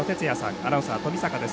アナウンサー、冨坂です。